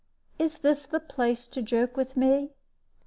Is this the place to joke with me?"